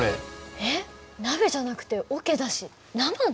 えっ鍋じゃなくておけだし生だ。